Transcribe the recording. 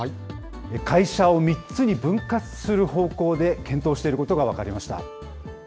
会社を３つに分割する方向で検討していることが分かりました。